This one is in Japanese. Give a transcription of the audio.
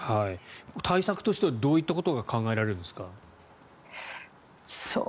対策としてはどういったことが考えられるんですか？